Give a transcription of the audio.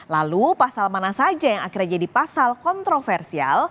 lalu pasal mana saja yang akhirnya jadi pasal kontroversial